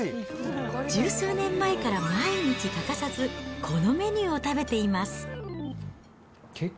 十数年前から毎日欠かさず、このメニューを食べています。